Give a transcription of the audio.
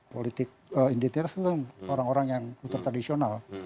politik identitas itu orang orang yang kuter tradisional